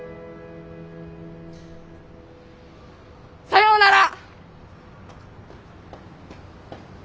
さようなら！